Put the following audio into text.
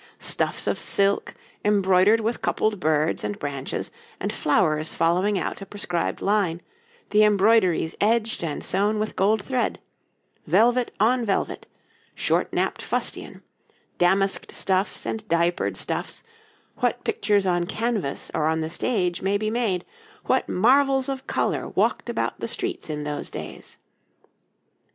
Stuffs of silk, embroidered with coupled birds and branches, and flowers following out a prescribed line, the embroideries edged and sewn with gold thread; velvet on velvet, short napped fustian, damasked stuffs and diapered stuffs what pictures on canvas, or on the stage, may be made; what marvels of colour walked about the streets in those days!